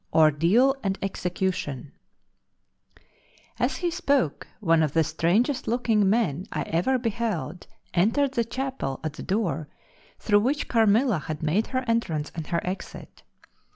Ordeal and Execution As he spoke one of the strangest looking men I ever beheld entered the chapel at the door through which Carmilla had made her entrance and her exit.